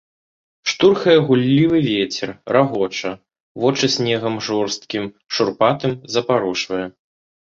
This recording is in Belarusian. Штурхае гуллівы вецер, рагоча, вочы снегам жорсткім, шурпатым запарушвае.